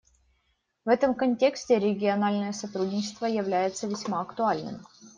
В этом контексте региональное сотрудничество является весьма актуальным.